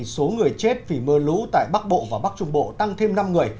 số người chết vì mưa lũ tại bắc bộ và bắc trung bộ tăng thêm năm người